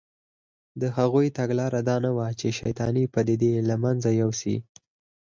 د هغوی تګلاره دا نه وه چې شیطانې پدیدې له منځه یوسي